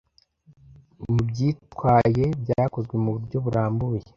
Mubyitwaye byakozwe muburyo burambuye--